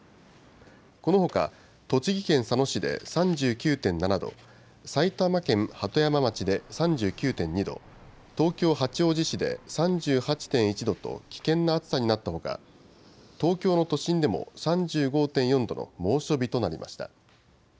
このほか、栃木県佐野市で３９．７度、埼玉県鳩山町で３９．２度、東京・八王子市で３８．１度と危険な暑さになったほか、東京の都心でも３５．４度の猛暑日となりました。